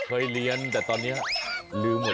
เคยเรียนแต่ตอนนี้ลืมหมดเลยอ่ะ